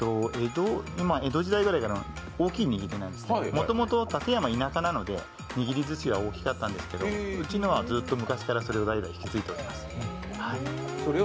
江戸時代くらいから大きい握りなんですけどもともと館山は田舎なので握りずしは大きかったんですけれども、うちのはずっと昔から代々引き継いでいます。